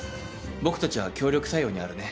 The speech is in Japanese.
僕たちは協力作用にあるね。